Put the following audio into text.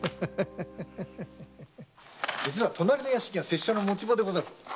実は隣の屋敷が拙者の持ち場でござる。